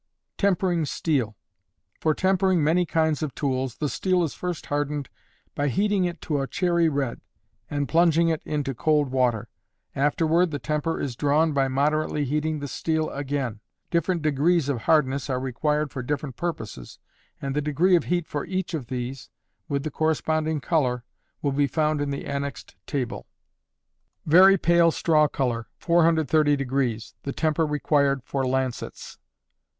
Tempering Steel. For tempering many kinds of tools, the steel is first hardened by heating it to a cherry red, and plunging it into cold water. Afterward the temper is drawn by moderately heating the steel again. Different degrees of hardness are required for different purposes, and the degree of heat for each of these, with the corresponding color, will be found in the annexed table: Very pale straw color, 430° the temper required for lancets.